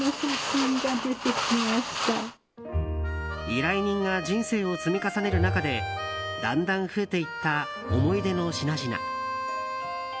依頼人が人生を積み重ねる中でだんだん増えていった思い出の品々。